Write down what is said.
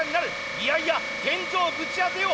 いやいや天井ぶち当てよう！